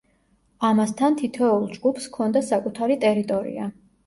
ამასთან, თითოეულ ჯგუფს ჰქონდა საკუთარი ტერიტორია.